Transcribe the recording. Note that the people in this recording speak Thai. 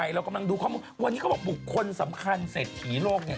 เรากำลังดูข้อมูลวันนี้เขาบอกบุคคลสำคัญเศรษฐีโลกเนี่ย